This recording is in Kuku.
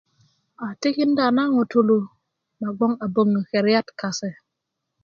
A tikinda na ŋutulu na gboŋ a boŋo yi keriat kase